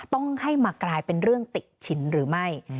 ต้องให้มากลายเป็นเรื่องติดฉินหรือไม่